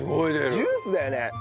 ジュースだよね。